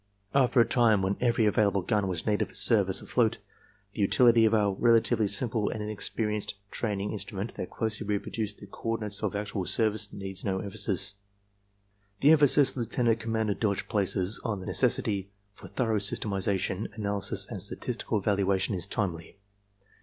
"At a time when every available gun was needed for service afloat, the utility of our relatively simple and inexpensive train ing instrument that closely reproduced the coordinations of actual service needs no emphasis." The emphasis Lieut. Commander Dodge places on the neces sity for thorough systematization, analysis and statistical evaluation is timely.